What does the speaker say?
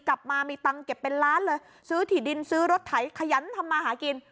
กลับมามีตังค์เก็บเป็นล้านเลยซื้อถี่ดินซื้อรถไถขยันทำมาหากิน